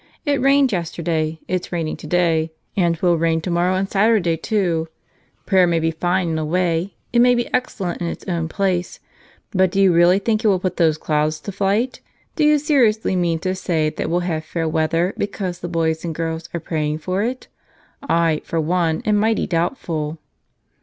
It rained yesterday; it's raining today ; and 'twill rain tomorrow and Saturday, too. Prayer may be fine in a way ; it may be excellent in its own place, but do you really think it will put those clouds to flight? Do you seri¬ ously mean to say that we'll have fair weather because the boys and girls are praying for it? I, for one, am mighty doubtful."